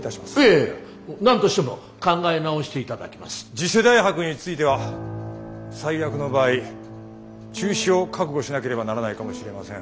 次世代博については最悪の場合中止を覚悟しなければならないかもしれません。